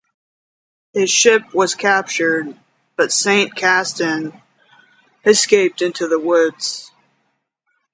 His ship was captured, but Saint-Castin escaped into the woods.